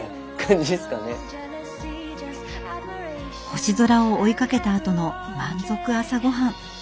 星空を追いかけたあとの満足朝ごはん。